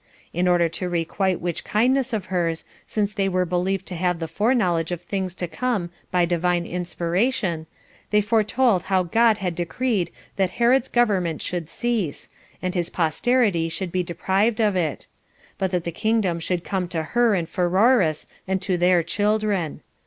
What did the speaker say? In order to requite which kindness of hers, since they were believed to have the foreknowledge of things to come by Divine inspiration, they foretold how God had decreed that Herod's government should cease, and his posterity should be deprived of it; but that the kingdom should come to her and Pheroras, and to their children.